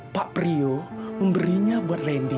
pak priyo memberinya buat landy